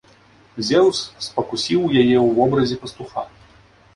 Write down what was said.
Зеўс спакусіў яе ў вобразе пастуха.